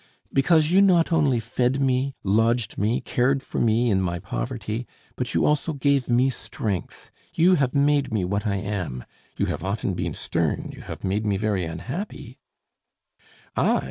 "Because you not only fed me, lodged me, cared for me in my poverty, but you also gave me strength. You have made me what I am; you have often been stern, you have made me very unhappy " "I?"